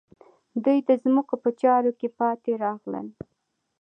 دوی د ځمکو په چارو کې پاتې راغلل.